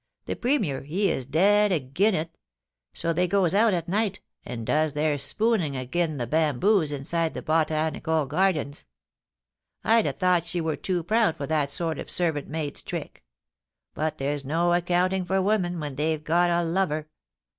The Premier, he is dead agen it ; so they goes out at night, and does their spooning agen the bamboos inside the Botanical Gardens. ... I'd ha' thought she wur too proud for that sort of servant maid's trick — but there's no accounting for women when they've got a lover.